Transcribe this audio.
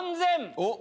おっ！